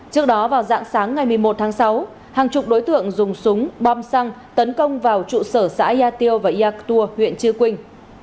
trước đó vào dạng sáng ngày một mươi một tháng sáu hàng chục đối tượng dùng súng bom xăng tấn công vào trụ sở xã yà tiêu và yactua huyện chư quynh